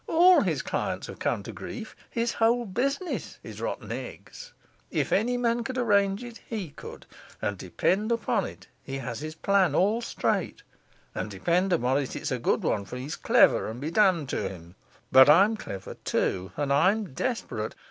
All his clients have come to grief; his whole business is rotten eggs. If any man could arrange it, he could; and depend upon it, he has his plan all straight; and depend upon it, it's a good one, for he's clever, and be damned to him! But I'm clever too; and I'm desperate.